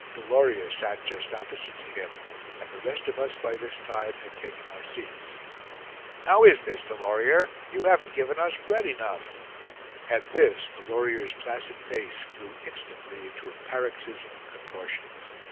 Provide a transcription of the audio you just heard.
Delorier sat just opposite to him, and the rest of us by this time had taken our seats. "How is this, Delorier? You haven't given us bread enough." At this Delorier's placid face flew instantly into a paroxysm of contortions.